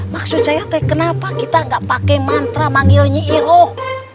maksud saya teh kenapa kita gak pakai mantra manggilnya iroh